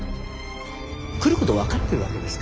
来ること分かってるわけですから。